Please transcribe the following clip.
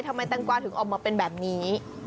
แตงกวาถึงออกมาเป็นแบบนี้